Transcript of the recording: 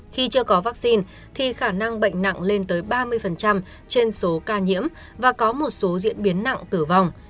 khi chưa có vaccine thì khả năng bệnh nặng lên tới ba mươi trên số ca nhiễm và có một số diễn biến nặng tử vong